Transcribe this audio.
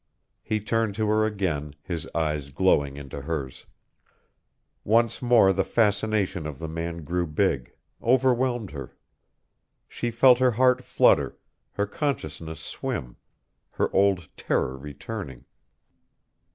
He turned to her again, his eyes glowing into hers. Once more the fascination of the man grew big, overwhelmed her. She felt her heart flutter, her consciousness swim, her old terror returning.